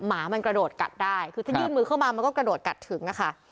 หมามันกระโดดกัดได้คือถ้ายื่นมือเข้ามามันก็กระโดดกัดถึงอะค่ะ